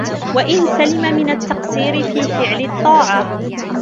وَإِنْ سَلِمَ مِنْ التَّقْصِيرِ فِي فِعْلِ الطَّاعَةِ